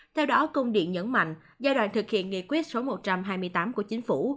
theo đó công điện nhấn mạnh giai đoạn thực hiện nghị quyết số một trăm hai mươi tám của chính phủ